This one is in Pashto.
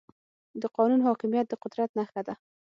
د قانون حاکميت د قدرت نښه ده.